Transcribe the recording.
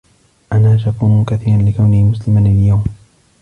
أنا شكور كثيرا لكوني مسلما اليوم.